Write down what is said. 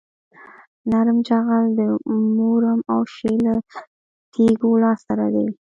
نرم جغل د مورم او شیل له تیږو لاسته راځي